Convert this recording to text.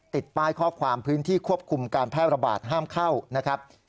ติดป้ายข้อความพื้นที่ควบคุมการแพร่ระบาดห้ามเข้านะครับ